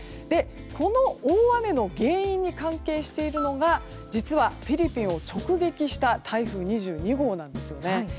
この大雨の原因に関係しているのが実は、フィリピンを直撃した台風２２号なんですよね。